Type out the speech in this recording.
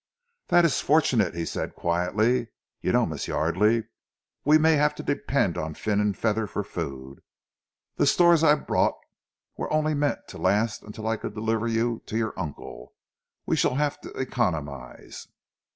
"That is fortunate," he said quietly. "You know, Miss Yardely, we may have to depend on fin and feather for food. The stores I brought were only meant to last until I could deliver you to your uncle. We shall have to economize."